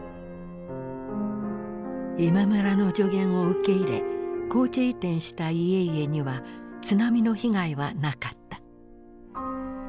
今村の助言を受け入れ高地移転した家々には津波の被害はなかった。